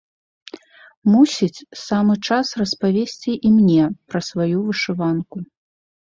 Мусіць, самы час распавесці і мне пра сваю вышыванку.